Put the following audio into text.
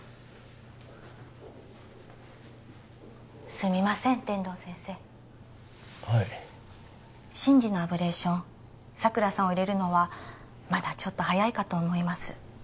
すみません天堂先生はい真司のアブレーション佐倉さんを入れるのはまだちょっと早いかと思います